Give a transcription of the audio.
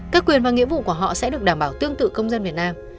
các quyền và nghĩa vụ của họ sẽ được đảm bảo tương tự công dân việt nam